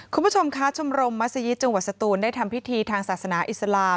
คุณผู้ชมคะชมรมมัศยิตจังหวัดสตูนได้ทำพิธีทางศาสนาอิสลาม